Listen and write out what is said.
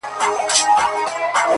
• ښه خبر وو مندوشاه له مصیبته,